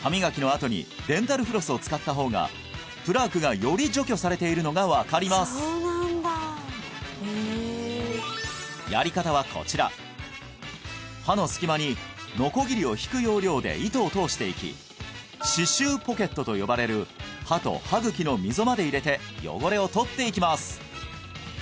あとにデンタルフロスを使った方がプラークがより除去されているのが分かりますやり方はこちら歯の隙間にノコギリを引く要領で糸を通していき歯周ポケットと呼ばれる歯と歯茎の溝まで入れて汚れを取っていきます